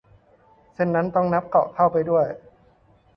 เส้นนั้นต้องนับเกาะเข้าไปด้วย